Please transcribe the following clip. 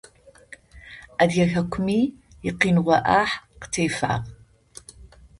Адыгэ хэкуми икъиныгъо ӏахь къытефагъ.